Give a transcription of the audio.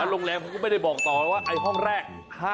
โรงแรมเขาก็ไม่ได้บอกต่อว่าไอ้ห้องแรก